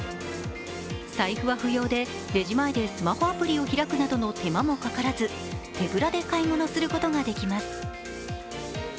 財布は不要で、レジ前でスマホアプリを開くなどの手間もかからず、手ぶらで買い物することができます。